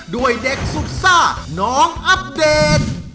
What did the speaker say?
ด้วยเด็กสุดซ่าน้องอัปเดต